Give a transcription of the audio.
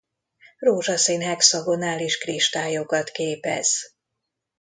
Rózsaszín hexagonális kristályokat képez.